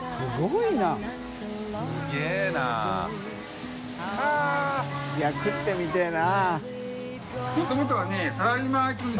い食ってみてぇな。